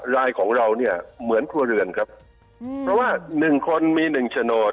รายของเราเนี่ยเหมือนครัวเรือนครับเพราะว่าหนึ่งคนมีหนึ่งโฉนด